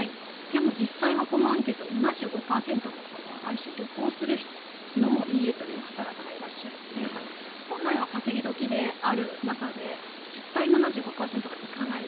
でも、実際はこのアンケート７５％もある種、旅行するのもいいえという方々がいらっしゃるということで本来は稼ぎ時である中で実態７５％が行かない。